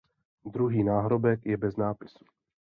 Druhý náhrobek je bez nápisu.